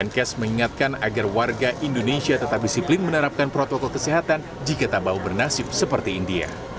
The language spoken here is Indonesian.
dan kes mengingatkan agar warga indonesia tetap disiplin menerapkan protokol kesehatan jika tak bau bernasib seperti india